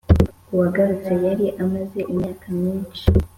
Uwagarutse yari amaze imyaka myoshi.